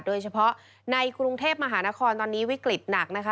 โดยเฉพาะในกรุงเทพมหานครตอนนี้วิกฤตหนักนะคะ